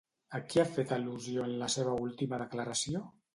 A qui ha fet al·lusió en la seva última declaració?